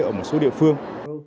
ở một số địa phương